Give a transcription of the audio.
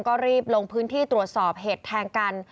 ก็รีบลงพื้นที่ตรวจสอบเหตุแทงกัน